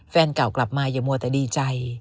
แฟนเก่ากลับมาอย่ามัวแต่ดีใจ